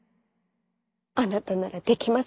あなたならできます。